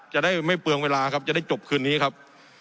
จะได้ไม่เปลืองเวลาครับจะได้จบคืนนี้ครับ